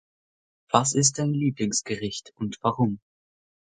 Was ist dein Lieblingsgericht und warum?